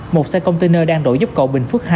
một xe container đang đổi dốc cộ bình phước hai